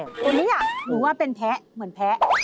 ตัวนี้หนูว่าเป็นแพ้เหมือนแพ้